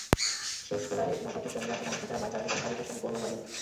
শেষবেলায় নৌকাটির সঙ্গে আসা সমর্থকেরা বাইচ আয়োজনকারীদের সঙ্গে গোলমাল বাধিয়ে দেয়।